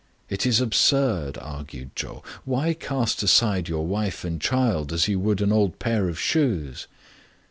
" It is absurd !" argued Chou. " Why cast aside your wife and child as you would an old pair of shoes?"